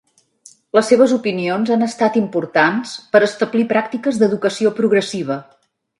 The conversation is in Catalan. Les seves opinions han estat importants per establir pràctiques d'educació progressiva.